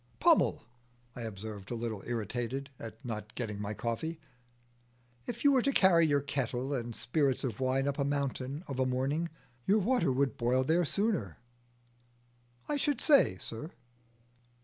"Pummel," I observed, a little irritated at not getting my coffee, "if you were to carry your kettle and spirits of wine up a mountain of a morning, your water would boil there sooner." "I should say, sir."